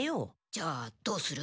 じゃあどうする？